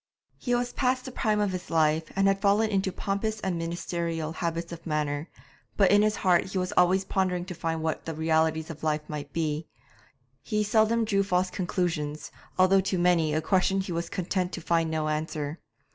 He was past the prime of life, and had fallen into pompous and ministerial habits of manner, but in his heart he was always pondering to find what the realities of life might be; he seldom drew false conclusions, although to many a question he was content to find no answer.